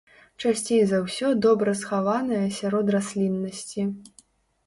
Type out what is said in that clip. Часцей за ўсё добра схаванае сярод расліннасці.